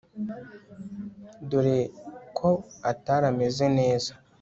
dore ko Atari ameze neza